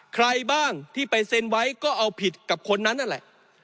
ใครบ้างที่ไปเซ็นไว้ก็เอาผิดกับคนนั้นนั่นแหละ